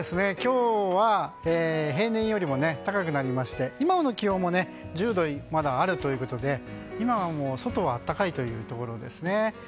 今日は平年よりも高くなりまして今の気温もまだ１０度あるということで今はもう外は暖かいというところですね。